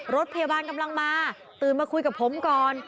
รถพยาบาลกำลังมาตื่นมาคุยกับผมก่อน